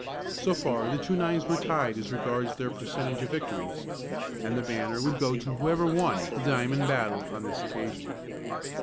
So far the two nines were tied as regards their percentage of victories, and the banner would go to whoever won the diamond battle on this occasion.